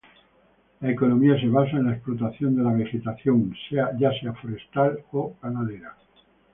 La economía se basa en la explotación de la vegetación, sea forestal o ganadera.